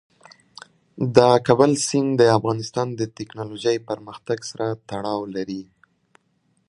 د کابل سیند د افغانستان د تکنالوژۍ پرمختګ سره تړاو لري.